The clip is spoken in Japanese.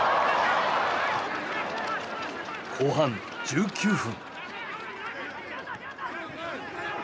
後半１９分。